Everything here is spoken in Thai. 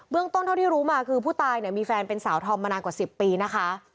ต้นเท่าที่รู้มาคือผู้ตายเนี่ยมีแฟนเป็นสาวธอมมานานกว่า๑๐ปีนะคะ